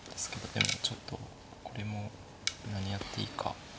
でもちょっとこれも何やっていいか。